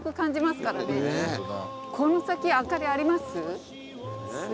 この先灯りあります？